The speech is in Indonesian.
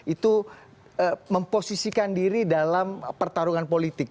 itu memposisikan diri dalam pertarungan politik